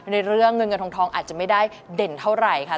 ในเรื่องเงินเงินทองอาจจะไม่ได้เด่นเท่าไหร่ค่ะ